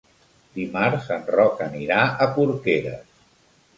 Dimarts en Roc anirà a Porqueres.